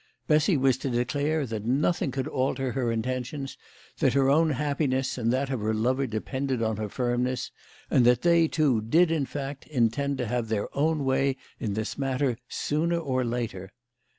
Bessy was to declare that nothing could alter her intentions, that her own happiness and that of her lover depended on her firmness, and that they two did, in fact, intend to have their own way in this matter sooner or later.